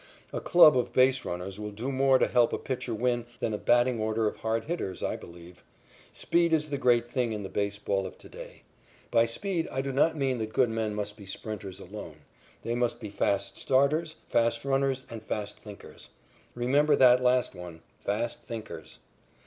A club of base runners will do more to help a pitcher win than a batting order of hard hitters, I believe. Speed is the great thing in the baseball of to day. By speed I do not mean that good men must be sprinters alone. They must be fast starters, fast runners and fast thinkers. Remember that last one fast thinkers.